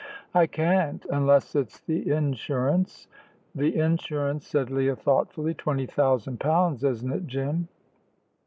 "I can't unless it's the insurance." "The insurance," said Leah, thoughtfully; "twenty thousand pounds, isn't it, Jim?"